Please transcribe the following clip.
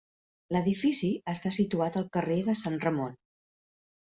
L'edifici està situat al carrer de Sant Ramon.